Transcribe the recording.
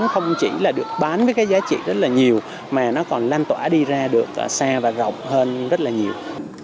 không chỉ là được bán với cái giá trị rất là nhiều mà nó còn lan tỏa đi ra được xa và rộng hơn rất là nhiều